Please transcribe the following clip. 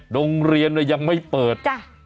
โรงเรียนยังไม่เปิด